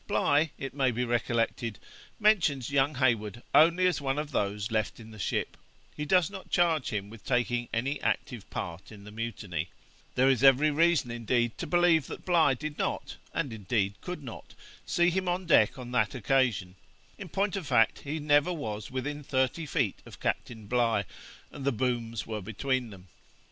Bligh, it may be recollected, mentions young Heywood only as one of those left in the ship; he does not charge him with taking any active part in the mutiny; there is every reason, indeed, to believe that Bligh did not, and indeed could not, see him on the deck on that occasion: in point of fact, he never was within thirty feet of Captain Bligh, and the booms were between them.